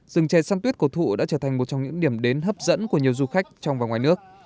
rừng chè săn tuyết cổ thụ đã trở thành một trong những điểm đến hấp dẫn của nhiều du khách trong và ngoài nước